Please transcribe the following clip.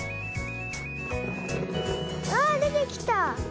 あでてきた！